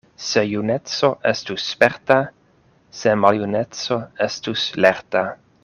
Se juneco estus sperta, se maljuneco estus lerta!